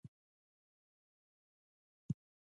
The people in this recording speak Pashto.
مجهول بڼه لکه خوړل کیږم به او غورځېږم به مثالونه دي.